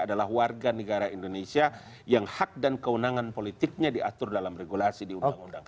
adalah warga negara indonesia yang hak dan kewenangan politiknya diatur dalam regulasi di undang undang